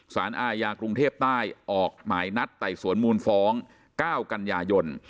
สารอาญากรุงเทพใต้ออกหมายนัดไต่สวนมูลฟ้อง๙กันยายน